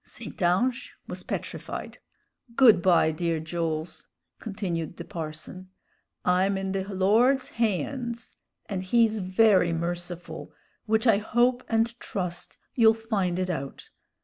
St. Ange was petrified. "Good by, dear Jools," continued the parson. "I'm in the Lord's haynds, and he's very merciful, which I hope and trust you'll find it out.